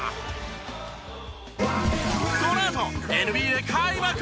このあとＮＢＡ開幕！